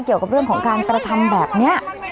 เกี่ยวกับเรื่องของการกระทำแบบนี้